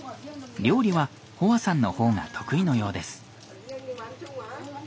料理はホアさんのほうが得意のようです。